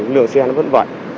lượng xe nó vẫn vận